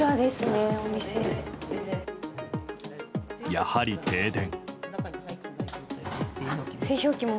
やはり停電。